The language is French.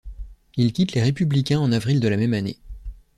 Il quitte Les Républicains en avril de la même année.